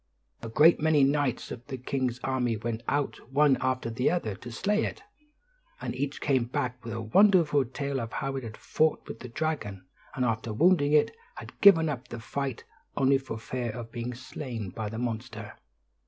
A great many knights of the king's army went out one after the other to slay it, and each came back with a wonderful tale of how he had fought with the dragon; and, after wounding it, had given up the fight only for fear of being slain by the monster.